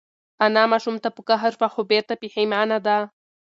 انا ماشوم ته په قهر شوه خو بېرته پښېمانه ده.